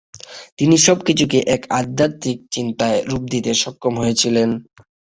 তিনি সব কিছুকে এক আধ্যাত্মিক চিন্তায় রূপ দিতে সক্ষম হয়েছিলেন।